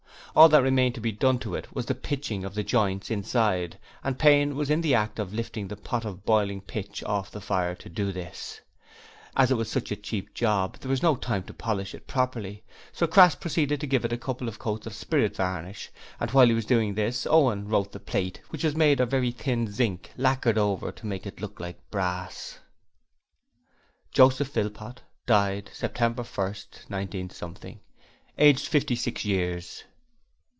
All that remained to be done to it was the pitching of the joints inside and Payne was in the act of lifting the pot of boiling pitch off the fire to do this. As it was such a cheap job, there was no time to polish it properly, so Crass proceeded to give it a couple of coats of spirit varnish, and while he was doing this Owen wrote the plate, which was made of very thin zinc lacquered over to make it look like brass: JOSEPH PHILPOT Died September 1st 19 Aged 56 years.